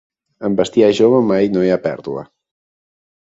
Amb bestiar jove mai no hi ha pèrdua.